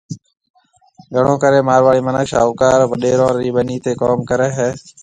گھڻو ڪرَي مارواڙي مِنک شاھوڪار وڏيرون رِي ٻنِي تي ڪوم ڪرَي ھيَََ